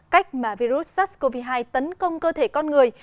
cách mà virus sars cov hai tấn công cơ thể con người